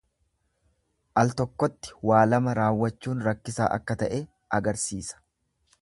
Al tokkotti waan lama raawwachuun rakkisaa akka ta'e agarsiisa.